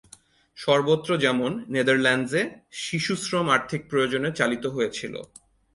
সর্বত্র যেমন, নেদারল্যান্ডসে শিশুশ্রম আর্থিক প্রয়োজনে চালিত হয়েছিল।